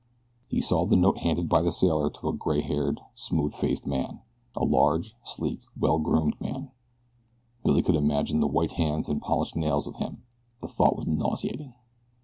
He saw the note handed by the sailor to a gray haired, smooth faced man a large, sleek, well groomed man. Billy could imagine the white hands and polished nails of him. The thought was nauseating.